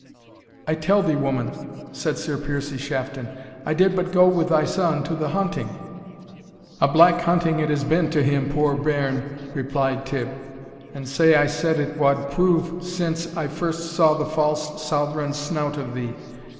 "I tell thee, woman," said Sir Piercie Shafton, "I did but go with thy son to the hunting." "A black hunting it has been to him, poor bairn," replied Tibb; "and sae I said it wad prove since I first saw the false Southron snout of thee.